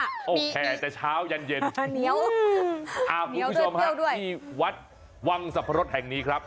โอเคแต่เช้ายันเย็นชาเหนียวอ่าคุณผู้ชมฮะที่วัดวังสรรพรสแห่งนี้ครับ